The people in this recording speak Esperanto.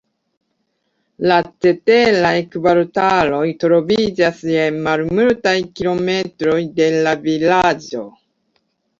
La ceteraj kvartaloj troviĝas je malmultaj kilometroj de la vilaĝo.